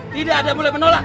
tidak ada mulai menolak